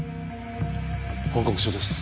報告書です。